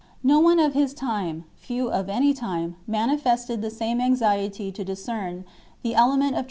No one of his time, few of any time, mani fested the same anxiety to discern the element of truth in 231.